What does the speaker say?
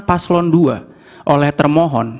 paslon dua oleh termohon